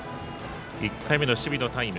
１回目の守備のタイム。